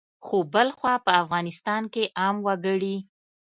خو بلخوا په افغانستان کې عام وګړي